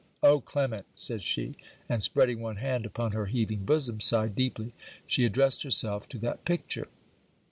'Oh, Clement!' said she, and, spreading one hand upon her heaving bosom, sighed deeply. She addressed herself to that picture.